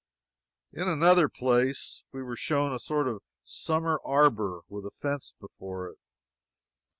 In another place we were shown a sort of summer arbor, with a fence before it.